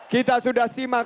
kita sudah simak